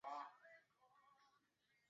早年电疗法造成的骨折已不复见。